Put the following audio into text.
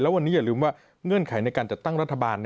วันนี้อย่าลืมว่าเงื่อนไขในการจัดตั้งรัฐบาล